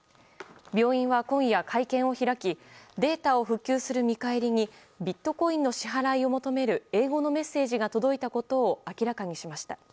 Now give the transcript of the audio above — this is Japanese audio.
病院は今夜、会見を開きデータを復旧する見返りにビットコインの支払いを求める英語のメッセージが届いたことを明らかにしました。